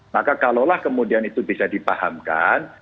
maka kalau lah kemudian itu bisa dipahamkan